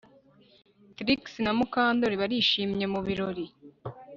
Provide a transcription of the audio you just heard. Trix na Mukandoli barishimye mu birori